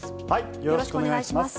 よろしくお願いします。